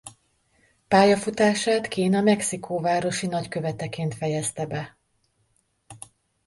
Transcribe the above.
Pályafutását Kína mexikóvárosi nagyköveteként fejezte be.